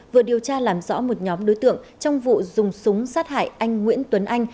vừa điều tra làm rõ một nhóm đối tượng trong vụ dùng súng sát hại anh nguyễn tuấn anh